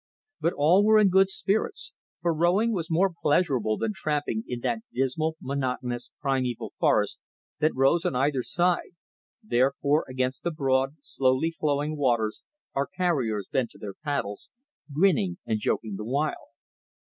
But all were in good spirits, for rowing was more pleasurable than tramping in that dismal monotonous primeval forest that rose on either side, therefore against the broad, slowly flowing waters our carriers bent to their paddles, grinning and joking the while.